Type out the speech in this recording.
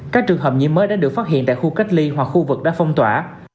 các trường hợp nhiễm mới đã được phát hiện tại khu cách ly hoặc khu vực đã phong tỏa